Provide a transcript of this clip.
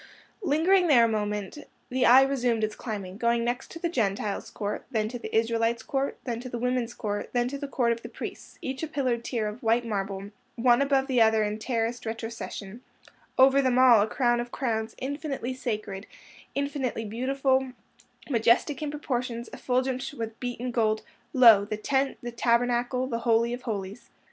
Lingering there a moment, the eye resumed its climbing, going next to the Gentiles' Court, then to the Israelites' Court, then to the Women's Court, then to the Court of the Priests, each a pillared tier of white marble, one above the other in terraced retrocession; over them all a crown of crowns infinitely sacred, infinitely beautiful, majestic in proportions, effulgent with beaten gold—lo! the Tent, the Tabernacle, the Holy of Holies.